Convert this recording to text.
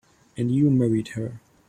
And you married her.